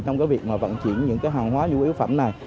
trong cái việc mà vận chuyển những cái hàng hóa nhu yếu phẩm này